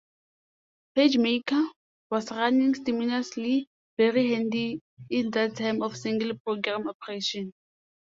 PageMaker, was running simultaneously; very handy in that time of single-program operation.